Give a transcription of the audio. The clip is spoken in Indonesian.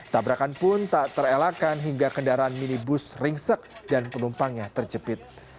tabrakan pun tak terelakkan hingga kendaraan minibus ringsek dan penumpangnya terjepit